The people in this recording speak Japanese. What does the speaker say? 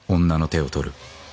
女の手を取る？